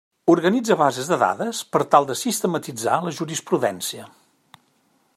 Organitza bases de dades per tal de sistematitzar la jurisprudència.